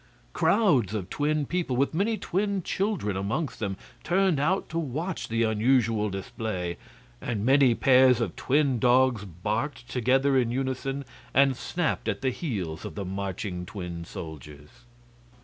Crowds of twin people, with many twin children amongst them, turned out to watch the unusual display, and many pairs of twin dogs barked together in unison and snapped at the heels of the marching twin soldiers.